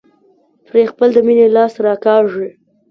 پرې خپل د مينې لاس راکاږي.